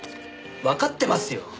わかってますよ。